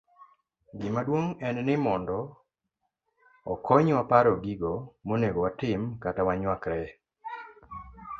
Gimaduong' en ni mondo okonywa paro gigo monego watim kata wanyuakreye